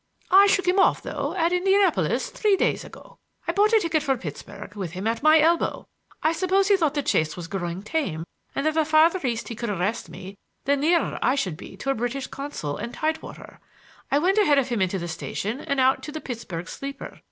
I shook him off, though, at Indianapolis three days ago. I bought a ticket for Pittsburg with him at my elbow. I suppose he thought the chase was growing tame, and that the farther east he could arrest me the nearer I should be to a British consul and tide water. I went ahead of him into the station and out to the Pittsburg sleeper.